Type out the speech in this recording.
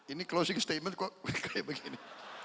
ini closing statement kok kayak begini